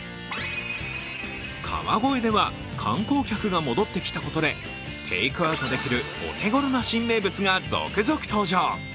川越では、観光客が戻ってきたことで、テイクアウトできるお手ごろな新名物が続々登場。